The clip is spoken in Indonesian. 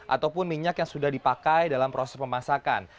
ataupun minyak yang sudah dipakai dalam proses pemasakan